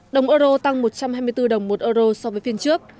đồng euro tăng một trăm hai mươi bốn đồng một euro so với phiên trước